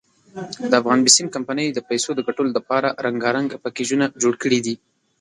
دافغان بېسیم کمپنۍ د پیسو دګټلو ډپاره رنګارنګ پېکېجونه جوړ کړي دي.